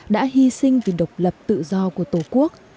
đã hy sinh vì độc lập tự do của tổ quốc